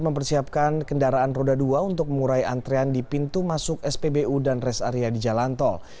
mempersiapkan kendaraan roda dua untuk mengurai antrean di pintu masuk spbu dan rest area di jalan tol